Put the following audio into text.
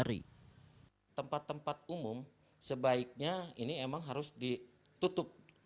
di tempat tempat umum sebaiknya ini memang harus ditutup